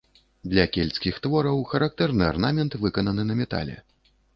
Для кельцкіх твораў характэрны арнамент, выкананы на метале.